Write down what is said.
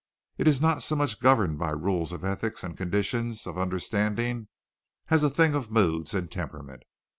It is not so much governed by rules of ethics and conditions of understanding as a thing of moods and temperament.